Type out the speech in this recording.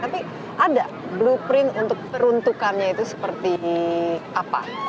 tapi ada blueprint untuk peruntukannya itu seperti apa